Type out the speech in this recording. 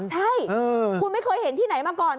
ใช่คุณไม่เคยเห็นที่ไหนมาก่อน